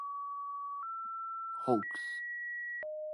'B' Squadron was later re-equipped with Black Hawks.